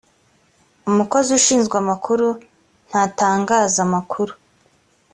umukozi ushinzwe amakuru ntatangaza amakuru